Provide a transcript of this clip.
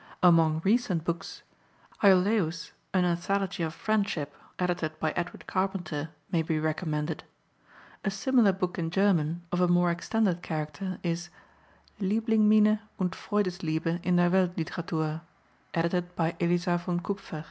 Among recent books, Ioläus: An Anthology of Friendship, edited by Edward Carpenter, may be recommended. A similar book in German, of a more extended character, is Lieblingminne und Freudesliebe in der Weltliteratur, edited by Elisár von Kupffer.